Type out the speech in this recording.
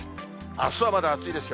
あすはまだ暑いですよ。